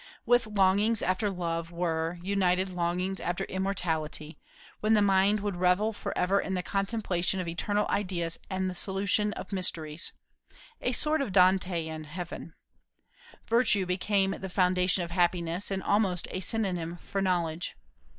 With longings after love were, united longings after immortality, when the mind would revel forever in the contemplation of eternal ideas and the solution of mysteries, a sort of Dantean heaven. Virtue became the foundation of happiness, and almost a synonym for knowledge.